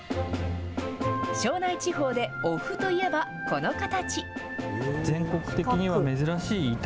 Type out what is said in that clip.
庄内地方で、おふといえば、この形。